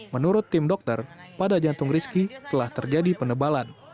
menurut tim dokter pada jantung rizki telah terjadi penebalan